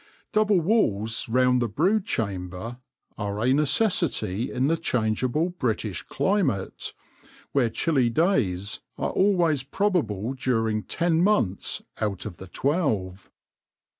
Double walls round the brood chamber are a necessity in the changeable British climate, where chilly days are always probable during ten months out of the twelve.